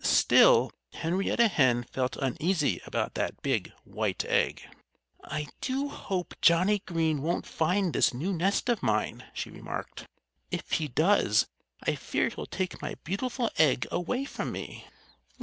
Still Henrietta Hen felt uneasy about that big, white egg. "I do hope Johnnie Green won't find this new nest of mine," she remarked. "If he does, I fear he'll take my beautiful egg away from me."